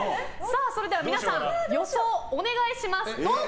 それでは皆さん予想をお願いします。